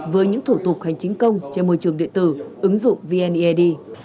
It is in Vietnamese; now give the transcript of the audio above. với những thủ tục hành chính công trên môi trường địa tử ứng dụng vned